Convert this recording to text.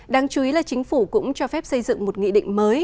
đáng chú ý là chính phủ cũng cho phép xây dựng một nghị định mới